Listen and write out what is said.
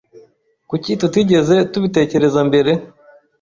Kuki tutigeze tubitekereza mbere?